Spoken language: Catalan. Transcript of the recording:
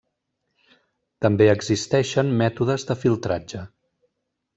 També existeixen mètodes de filtratge.